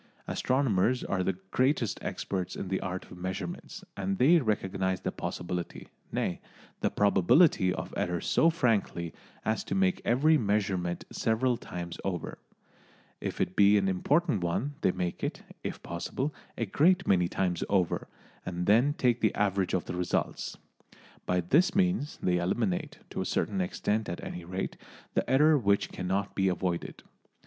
Astronomers are the greatest experts in the art of measurement, and they recognise the possibility, nay, the probability, of error so frankly as to make every measurement several times over; if it be an important one they make it, if possible, a great many times over, and then take the average of the results. By this means they eliminate, to a certain extent at any rate, the error which cannot be avoided.